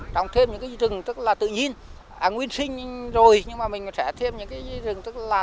trồng thêm những cái gì rừng tức là tự nhiên nguyên sinh rồi nhưng mà mình sẽ thêm những cái rừng tức là